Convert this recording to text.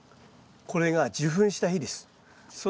これが受粉した日です。